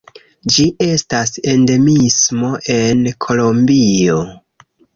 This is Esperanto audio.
Ĝi estas endemismo en Kolombio.